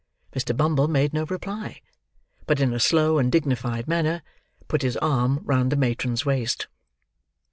Mr. Bumble made no reply; but in a slow and dignified manner, put his arm round the matron's waist.